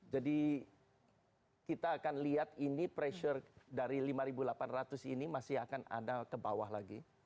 jadi kita akan lihat ini pressure dari lima ribu delapan ratus ini masih akan ada ke bawah lagi